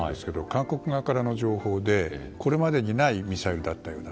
韓国側からの情報でこれまでにないミサイルだったというような。